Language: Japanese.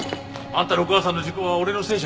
あんたのお母さんの事故は俺のせいじゃない。